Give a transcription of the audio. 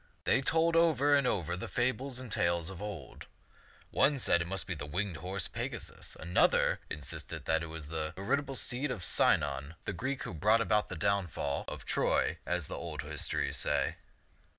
They told over and over the fables and tales of old. One said it must be the winged horse Pega sus. Another insisted that it was the veritable steed of Sinon, the Greek who brought about the downfall I70 S^^e ^C{um'0^aU of Troy, as the old histories say.